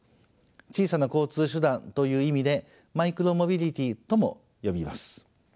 「小さな交通手段」という意味でマイクロモビリティーとも呼びます。